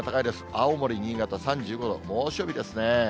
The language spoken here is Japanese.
青森、新潟３５度、猛暑日ですね。